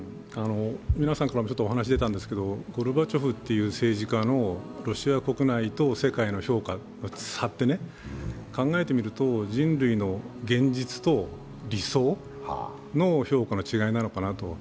皆さんからもお話が出たんですけど、ゴルバチョフという政治家のロシア国内と世界の評価の差って、考えてみると人類の現実と理想の評価の違いなのかなと。